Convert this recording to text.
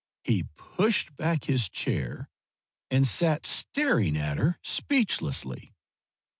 He pushed back his chair and sat staring at her speechlessly.